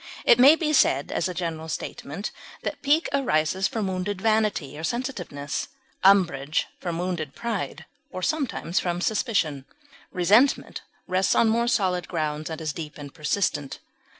It may be said, as a general statement, that pique arises from wounded vanity or sensitiveness, umbrage from wounded pride or sometimes from suspicion. Resentment rests on more solid grounds, and is deep and persistent.